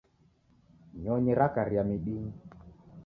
Nyonyi rakaria midinyi.